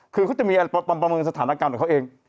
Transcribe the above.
คือเขาจะมีอะไรประเมินสถานการณ์ของเขาเอง